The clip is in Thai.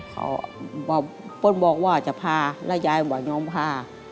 เขาบอกว่าจะพาแล้วยายบอกยอมพา